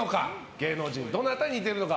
芸能人どなたに似てるのか？